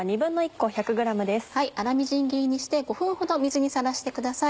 粗みじん切りにして５分ほど水にさらしてください。